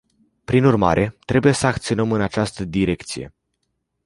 Prin urmare, trebuie să acționăm în această direcție.